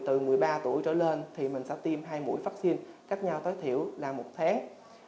từ một mươi ba tuổi trở lên thì mình sẽ tiêm hai mũi vaccine cách nhau tối thiểu là một tháng